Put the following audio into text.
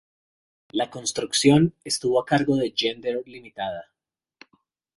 La construcción estuvo a cargo de Gender Ltda.